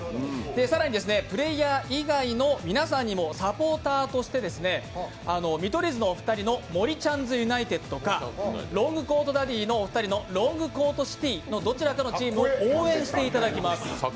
更にプレーヤー以外の皆さんにもサポーターとして見取り図のお二人のもりちゃんずユナイテッドか、ロングコートダディのロングコートシティ、どちらかを応援していただきます。